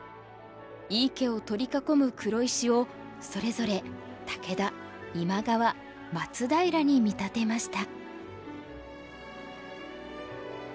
井伊家を取り囲む黒石をそれぞれ武田今川松平に見立てました。